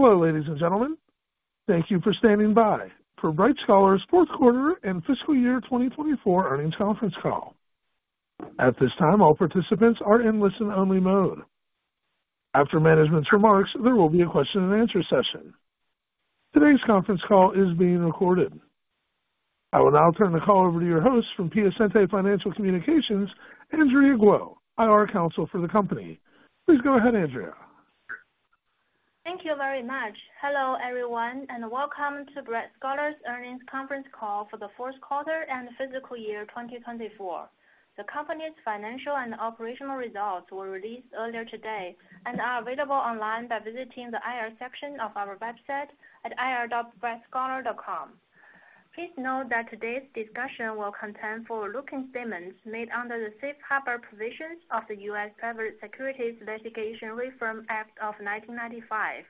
Hello, ladies and gentlemen. Thank you for standing by for Bright Scholar's Fourth Quarter and Fiscal Year 2024 Earnings Conference Call. At this time, all participants are in listen-only mode. After management's remarks, there will be a question-and-answer session. Today's conference call is being recorded. I will now turn the call over to your host from Piacente Financial Communications, Andrea Guo, IR counsel for the company. Please go ahead, Andrea. Thank you very much. Hello, everyone, and welcome to Bright Scholar's earnings conference call for the fourth quarter and fiscal year 2024. The company's financial and operational results were released earlier today and are available online by visiting the IR section of our website at ir.brightscholar.com. Please note that today's discussion will contain forward-looking statements made under the Safe Harbor provisions of the Private Securities Litigation Reform Act of 1995.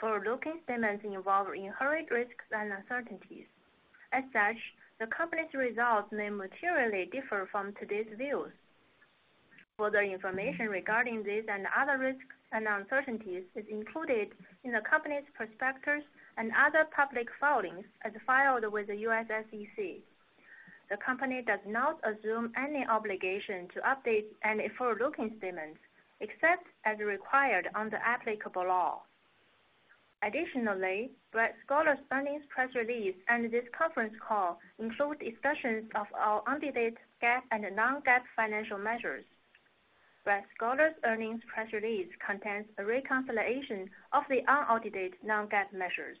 Forward-looking statements involve inherent risks and uncertainties. As such, the company's results may materially differ from today's views. Further information regarding these and other risks and uncertainties is included in the company's prospectus and other public filings as filed with the SEC. The company does not assume any obligation to update any forward-looking statements except as required under applicable law. Additionally, Bright Scholar's earnings press release and this conference call include discussions of all unaudited GAAP and non-GAAP financial measures. Bright Scholar's earnings press release contains a reconciliation of the unaudited non-GAAP measures.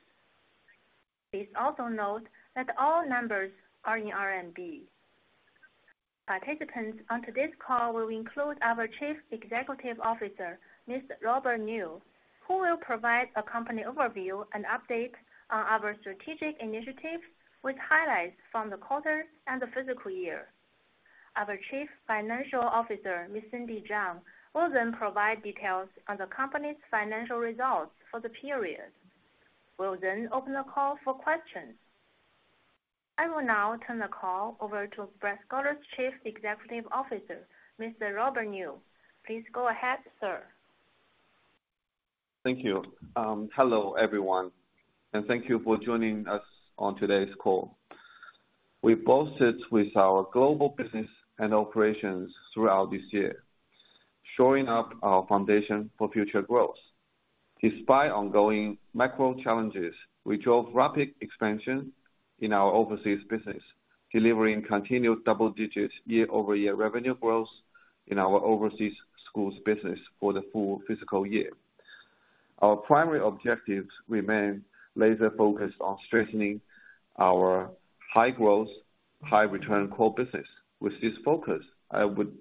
Please also note that all numbers are in RMB. Participants on today's call will include our Chief Executive Officer, Mr. Ruolei Niu, who will provide a company overview and update on our strategic initiatives with highlights from the quarter and the fiscal year. Our Chief Financial Officer, Ms. Cindy Zhang, will then provide details on the company's financial results for the period. We'll then open the call for questions. I will now turn the call over to Bright Scholar's Chief Executive Officer, Mr. Ruolei Niu. Please go ahead, sir. Thank you. Hello, everyone, and thank you for joining us on today's call. We have bolstered our global business and operations throughout this year, shoring up our foundation for future growth. Despite ongoing macro challenges, we drove rapid expansion in our overseas business, delivering continued double-digit year-over-year revenue growth in our Overseas Schools business for the full fiscal year. Our primary objectives remain laser-focused on strengthening our high-growth, high-return core business. With this focus, I am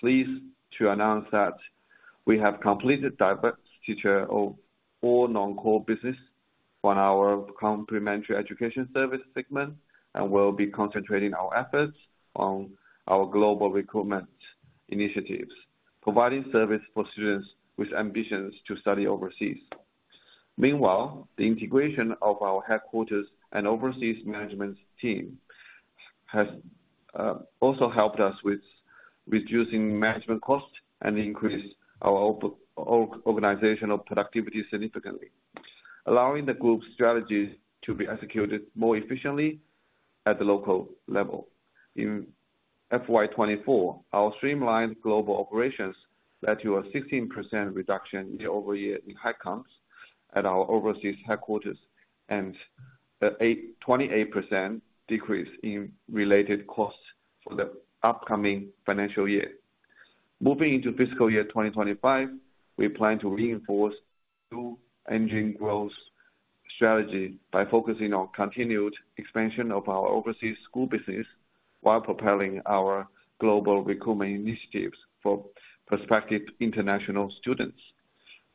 pleased to announce that we have completed divestiture of all non-core business in our Complementary Education Services segment and will be concentrating our efforts on our global recruitment initiatives, providing service for students with ambitions to study overseas. Meanwhile, the integration of our headquarters and overseas management team has also helped us with reducing management costs and increased our organizational productivity significantly, allowing the group's strategies to be executed more efficiently at the local level. In FY24, our streamlined global operations led to a 16% reduction year-over-year in headcount at our overseas headquarters and a 28% decrease in related costs for the upcoming financial year. Moving into fiscal year 2025, we plan to reinforce dual-engine growth strategy by focusing on continued expansion of our overseas school business while propelling our global recruitment initiatives for prospective international students.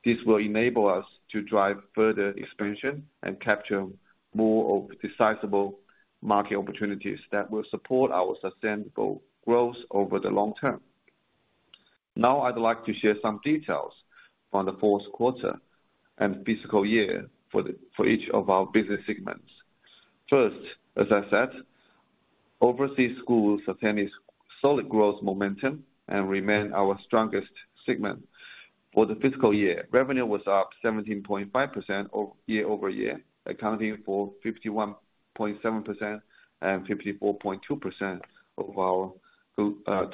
This will enable us to drive further expansion and capture more of discernible market opportunities that will support our sustainable growth over the long term. Now, I'd like to share some details from the fourth quarter and fiscal year for each of our business segments. First, as I said, overseas schools sustain a solid growth momentum and remain our strongest segment. For the fiscal year, revenue was up 17.5% year-over-year, accounting for 51.7% and 54.2% of our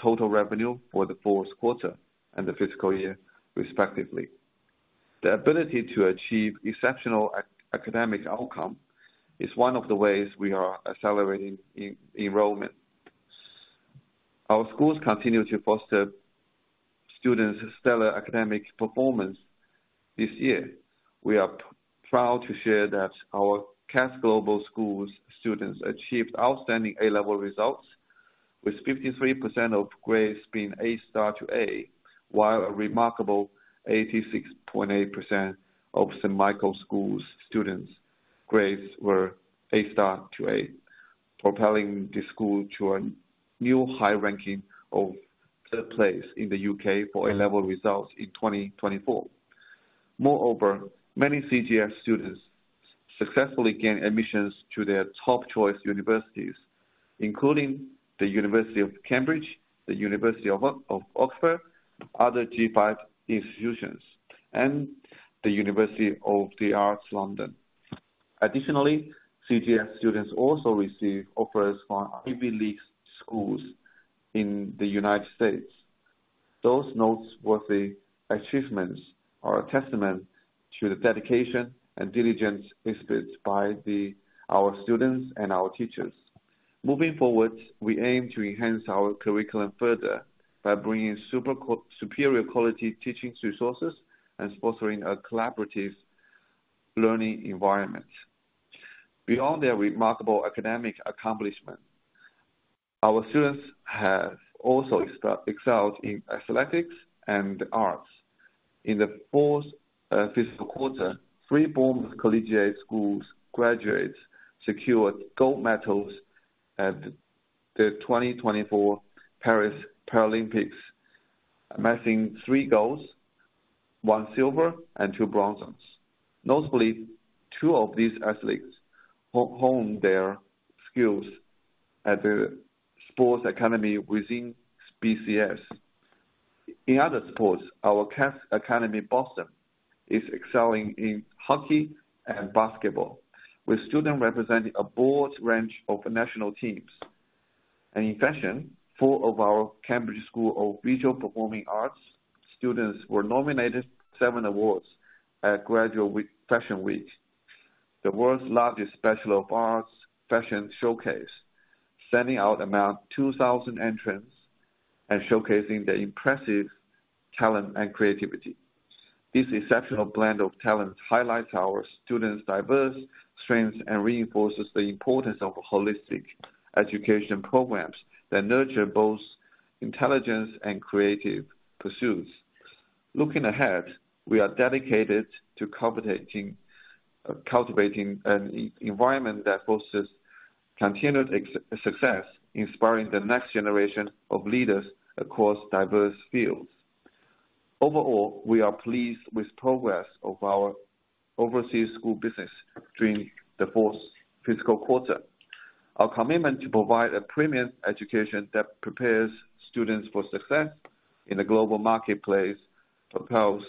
total revenue for the fourth quarter and the fiscal year, respectively. The ability to achieve exceptional academic outcome is one of the ways we are accelerating enrollment. Our schools continue to foster students' stellar academic performance this year. We are proud to share that our CATS Global Schools students achieved outstanding A-Level results, with 53% of grades being A-star to A, while a remarkable 86.8% of St. Michael’s School students' grades were A-star to A, propelling the school to a new high ranking of third place in the U.K. for A-Level results in 2024. Moreover, many CGS students successfully gain admissions to their top-choice universities, including the University of Cambridge, the University of Oxford, other G5 institutions, and the University of the Arts London. Additionally, CGS students also receive offers from Ivy League schools in the United States. Those noteworthy achievements are a testament to the dedication and diligence exhibited by our students and our teachers. Moving forward, we aim to enhance our curriculum further by bringing superior quality teaching resources and sponsoring a collaborative learning environment. Beyond their remarkable academic accomplishments, our students have also excelled in athletics and the arts. In the fourth fiscal quarter, three Bournemouth Collegiate School graduates secured gold medals at the 2024 Paris Paralympics, amassing three golds, one silver, and two bronzes. Notably, two of these athletes honed their skills at the sports academy within BCS. In other sports, our CATS Academy Boston is excelling in hockey and basketball, with students representing a broad range of national teams. In fashion, four of our Cambridge School of Visual & Performing Arts students were nominated for seven awards at Graduate Fashion Week, the world's largest specialist arts fashion showcase, with around 2,000 entrants and showcasing their impressive talent and creativity. This exceptional blend of talents highlights our students' diverse strengths and reinforces the importance of holistic education programs that nurture both intelligence and creative pursuits. Looking ahead, we are dedicated to cultivating an environment that fosters continued success, inspiring the next generation of leaders across diverse fields. Overall, we are pleased with the progress of our overseas school business during the fourth fiscal quarter. Our commitment to provide a premium education that prepares students for success in the global marketplace propels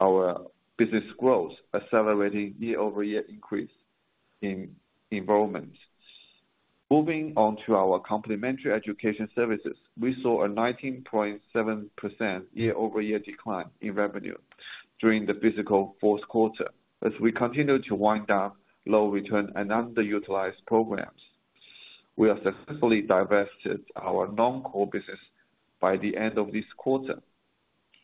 our business growth, accelerating year-over-year increase in enrollment. Moving on to our complementary education services, we saw a 19.7% year-over-year decline in revenue during the fiscal fourth quarter. As we continue to wind down low-return and underutilized programs, we have successfully divested our non-core business by the end of this quarter.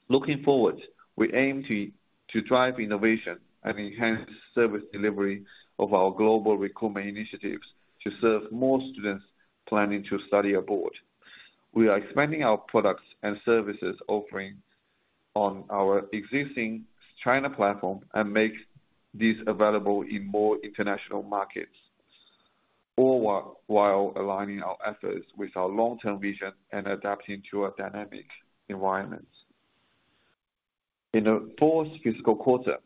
Looking forward, we aim to drive innovation and enhance the service delivery of our global recruitment initiatives to serve more students planning to study abroad. We are expanding our products and services offering on our existing China platform and make these available in more international markets while aligning our efforts with our long-term vision and adapting to our dynamic environments. In the fourth fiscal quarter,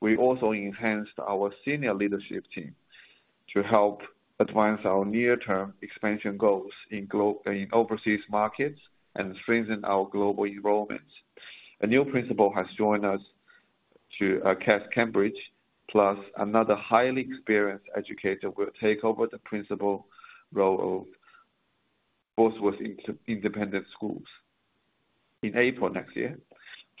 we also enhanced our senior leadership team to help advance our near-term expansion goals in overseas markets and strengthen our global enrollment. A new principal has joined us to CATS Cambridge, plus another highly experienced educator will take over the principal role of Bosworth Independent School in April next year,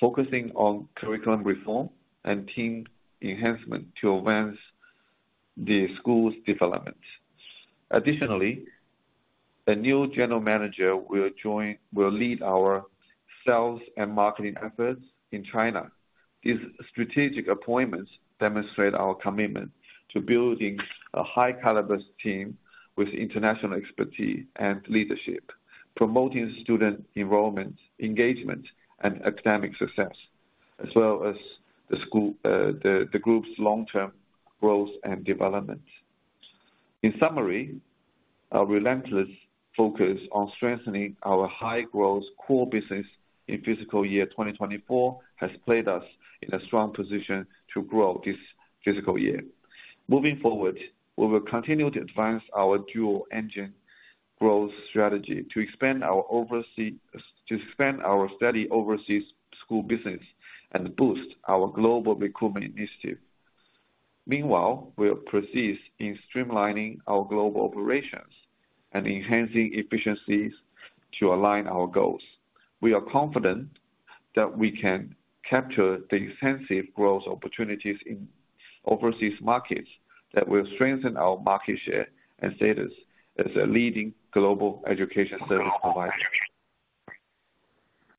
focusing on curriculum reform and team enhancement to advance the school's development. Additionally, a new general manager will lead our sales and marketing efforts in China. These strategic appointments demonstrate our commitment to building a high-caliber team with international expertise and leadership, promoting student enrollment, engagement, and academic success, as well as the group's long-term growth and development. In summary, our relentless focus on strengthening our high-growth core business in fiscal year 2024 has placed us in a strong position to grow this fiscal year. Moving forward, we will continue to advance our dual-engine growth strategy to expand our study overseas school business and boost our global recruitment initiative. Meanwhile, we will proceed in streamlining our global operations and enhancing efficiencies to align our goals. We are confident that we can capture the extensive growth opportunities in overseas markets that will strengthen our market share and status as a leading global education service provider.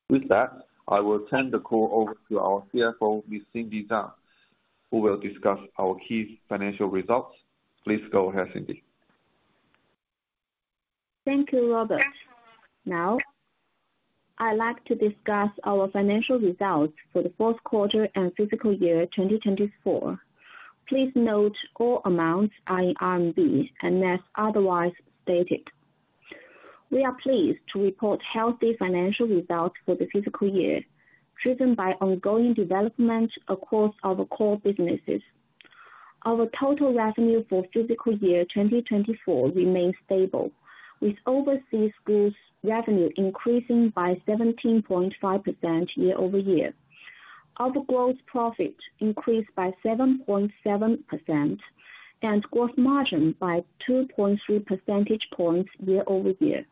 With that, I will turn the call over to our CFO, Ms. Cindy Zhang, who will discuss our key financial results. Please go ahead, Cindy. Thank you, Ruolei. Now, I'd like to discuss our financial results for the fourth quarter and fiscal year 2024. Please note all amounts are in RMB unless otherwise stated. We are pleased to report healthy financial results for the fiscal year, driven by ongoing development across our core businesses. Our total revenue for fiscal year 2024 remains stable, with overseas schools' revenue increasing by 17.5% year-over-year, our gross profit increased by 7.7%, and gross margin by 2.3 percentage points year-over-year.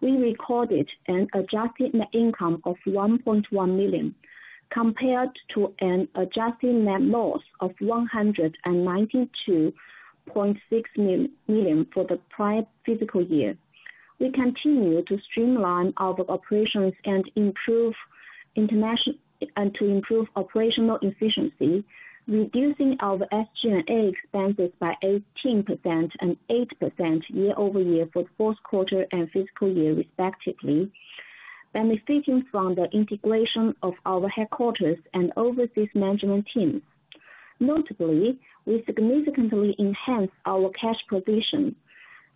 We recorded an adjusted net income of 1.1 million compared to an adjusted net loss of 192.6 million for the prior fiscal year. We continue to streamline our operations and to improve operational efficiency, reducing our SG&A expenses by 18% and 8% year-over-year for the fourth quarter and fiscal year, respectively, benefiting from the integration of our headquarters and overseas management team. Notably, we significantly enhanced our cash position,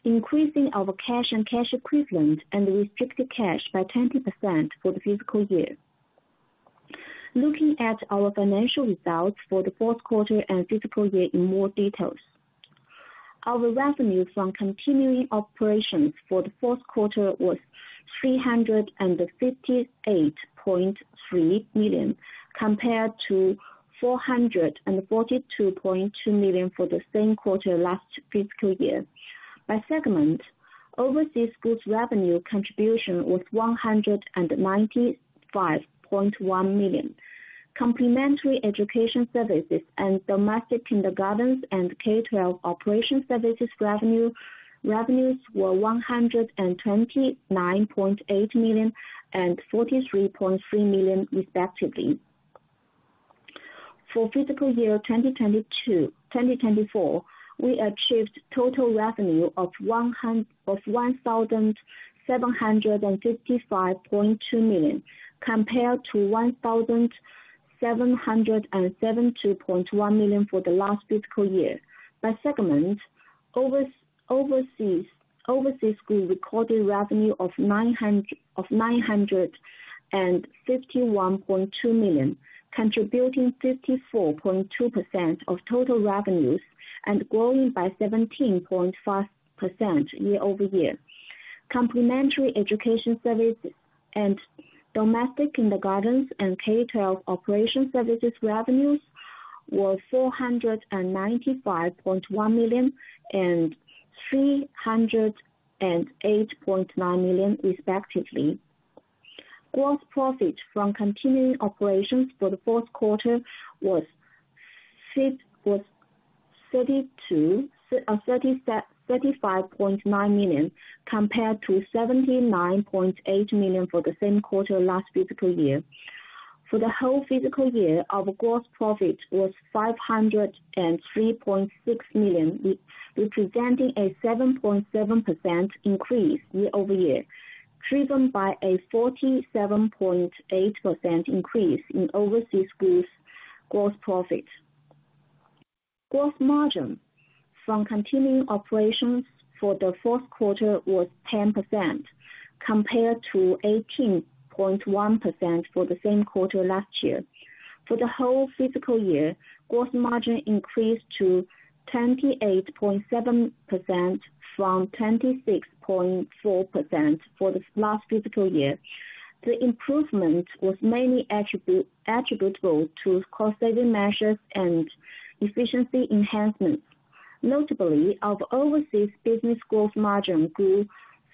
increasing our cash and cash equivalent and restricted cash by 20% for the fiscal year. Looking at our financial results for the fourth quarter and fiscal year in more detail, our revenue from continuing operations for the fourth quarter was 358.3 million compared to 442.2 million for the same quarter last fiscal year. By segment, overseas schools' revenue contribution was 195.1 million. Complementary education services and domestic kindergartens and K-12 operation services revenues were 129.8 million and 43.3 million, respectively. For fiscal year 2024, we achieved total revenue of 1,755.2 million compared to 1,772.1 million for the last fiscal year. By segment, overseas schools recorded revenue of 951.2 million, contributing 54.2% of total revenues and growing by 17.5% year-over-year. Complementary education services and domestic kindergartens and K-12 operation services revenues were 495.1 million and 308.9 million, respectively. Gross profit from continuing operations for the fourth quarter was 35.9 million compared to 79.8 million for the same quarter last fiscal year. For the whole fiscal year, our gross profit was 503.6 million, representing a 7.7% increase year-over-year, driven by a 47.8% increase in overseas schools' gross profit. Gross margin from continuing operations for the fourth quarter was 10% compared to 18.1% for the same quarter last year. For the whole fiscal year, gross margin increased to 28.7% from 26.4% for the last fiscal year. The improvement was mainly attributable to cost-saving measures and efficiency enhancements. Notably, our overseas business growth margin grew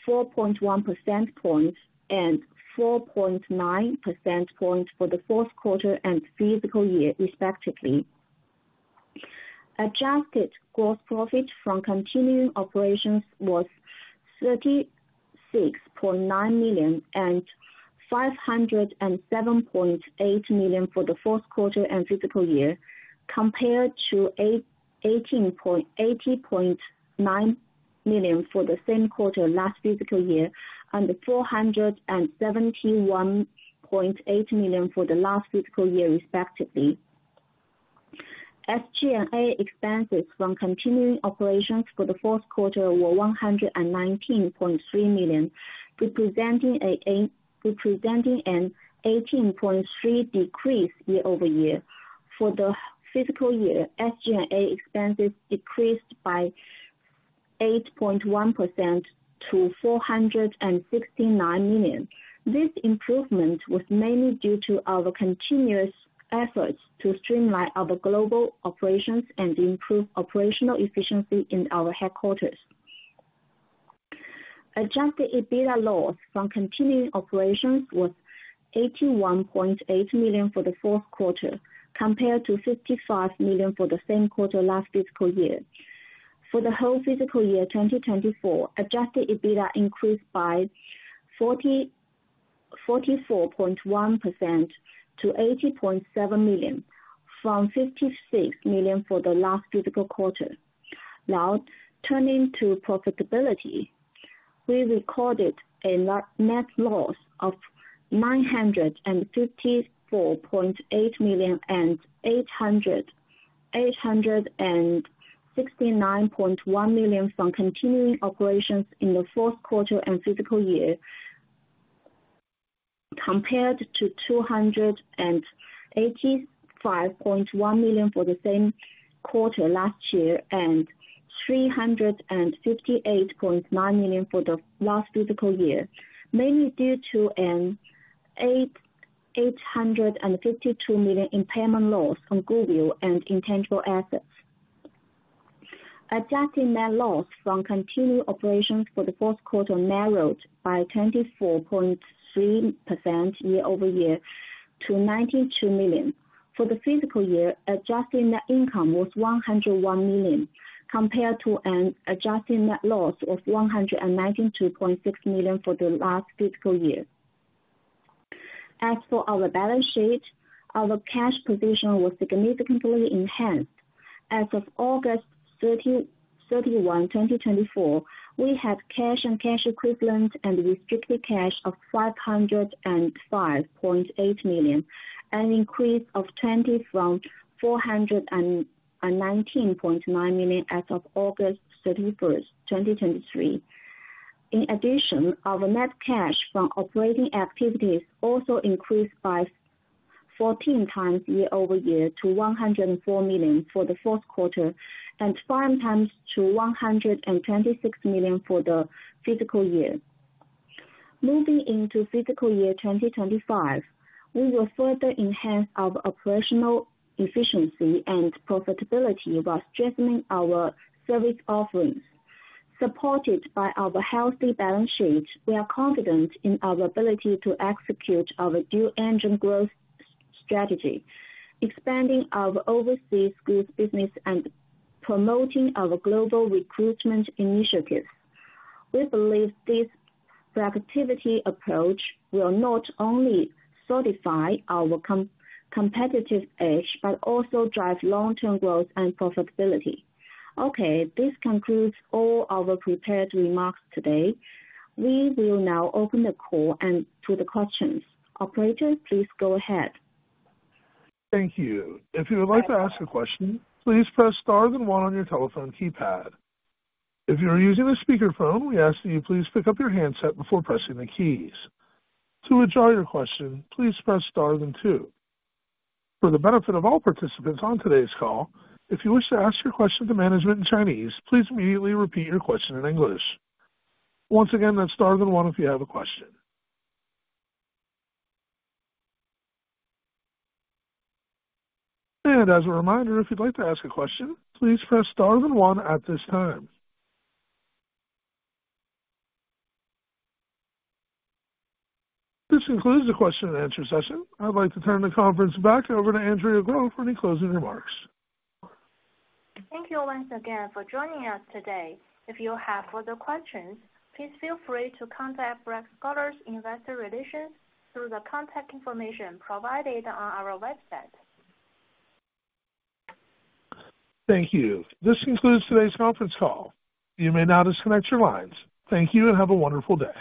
4.1 percentage points and 4.9 percentage points for the fourth quarter and fiscal year, respectively. Adjusted gross profit from continuing operations was 36.9 million and 507.8 million for the fourth quarter and fiscal year, compared to 18.9 million for the same quarter last fiscal year and 471.8 million for the last fiscal year, respectively. SG&A expenses from continuing operations for the fourth quarter were 119.3 million, representing an 18.3% decrease year-over-year. For the fiscal year, SG&A expenses decreased by 8.1% to 469 million. This improvement was mainly due to our continuous efforts to streamline our global operations and improve operational efficiency in our headquarters. Adjusted EBITDA loss from continuing operations was 81.8 million for the fourth quarter, compared to 55 million for the same quarter last fiscal year. For the whole fiscal year 2024, Adjusted EBITDA increased by 44.1% to 80.7 million from 56 million for the last fiscal quarter. Now, turning to profitability, we recorded a net loss of 954.8 million and 869.1 million from continuing operations in the fourth quarter and fiscal year, compared to 285.1 million for the same quarter last year and 358.9 million for the last fiscal year, mainly due to a 852 million impairment loss on goodwill and intangible assets. Adjusted net loss from continuing operations for the fourth quarter narrowed by 24.3% year-over-year to 92 million. For the fiscal year, adjusted net income was 101 million, compared to an adjusted net loss of 192.6 million for the last fiscal year. As for our balance sheet, our cash position was significantly enhanced. As of August 31, 2024, we had cash and cash equivalents and restricted cash of 505.8 million, an increase of 20% from 419.9 million as of August 31, 2023. In addition, our net cash from operating activities also increased by 14x year-over-year to 104 million for the fourth quarter and 5x to 126 million for the fiscal year. Moving into fiscal year 2025, we will further enhance our operational efficiency and profitability while strengthening our service offerings. Supported by our healthy balance sheet, we are confident in our ability to execute our dual-engine growth strategy, expanding our overseas schools' business and promoting our global recruitment initiatives. We believe this proactive approach will not only solidify our competitive edge but also drive long-term growth and profitability. Okay, this concludes all our prepared remarks today. We will now open the call to the questions. Operator, please go ahead. Thank you. If you would like to ask a question, please press star then one on your telephone keypad. If you are using a speakerphone, we ask that you please pick up your handset before pressing the keys. To withdraw your question, please press star then two. For the benefit of all participants on today's call, if you wish to ask your question to management in Chinese, please immediately repeat your question in English. Once again, that's star then one if you have a question. And as a reminder, if you'd like to ask a question, please press star then one at this time. This concludes the question and answer session. I'd like to turn the conference back over to Andrea Guo for any closing remarks. Thank you once again for joining us today. If you have further questions, please feel free to contact Bright Scholar Investor Relations through the contact information provided on our website. Thank you. This concludes today's conference call. You may now disconnect your lines. Thank you and have a wonderful day.